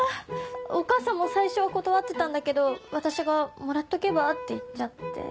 お母さんも最初は断ってたんだけど私がもらっとけばって言っちゃって。